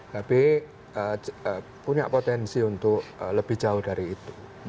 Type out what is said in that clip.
tapi punya potensi untuk lebih jauh dari itu